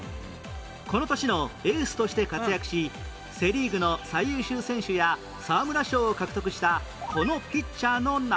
この年のエースとして活躍しセ・リーグの最優秀選手や沢村賞を獲得したこのピッチャーの名前は？